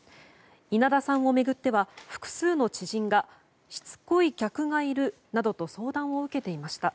稲田さんを巡っては複数の知人がしつこい客がいるなどと相談を受けていました。